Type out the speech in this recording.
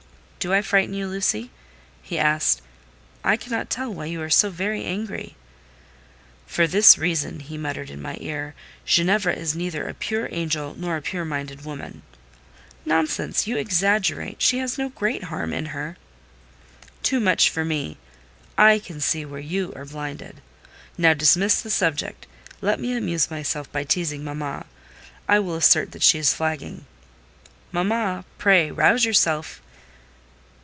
"Do I frighten you, Lucy?" he asked. "I cannot tell why you are so very angry." "For this reason," he muttered in my ear. "Ginevra is neither a pure angel, nor a pure minded woman." "Nonsense! you exaggerate: she has no great harm in her." "Too much for me. I can see where you are blind. Now dismiss the subject. Let me amuse myself by teasing mamma: I will assert that she is flagging. Mamma, pray rouse yourself."